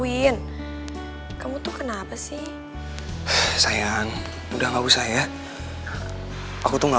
ini kan masalah gua kesalahan gua